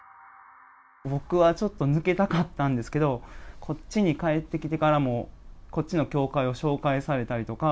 僕はちょっと抜けたかったんですけど、こっちに帰ってきてからも、こっちの教会を紹介されたりとか。